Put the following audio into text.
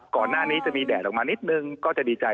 ก่อนหน้านี้จะมีแดดออกมานิดนึงก็จะดีใจ